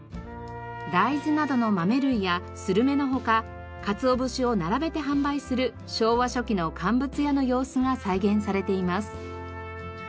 大豆などの豆類やスルメの他かつお節を並べて販売する昭和初期の乾物屋の様子が再現されています。